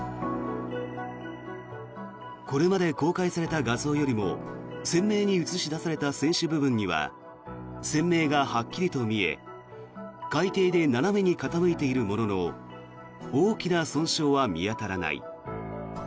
これまで公開された画像よりも鮮明に映し出された船首部分には船名がはっきりと見え海底で斜めに傾いているものの大きな損傷は見当たらない。